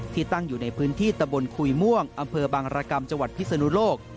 ตั้งอยู่ในพื้นที่ตะบนคุยม่วงอำเภอบางรกรรมจังหวัดพิศนุโลก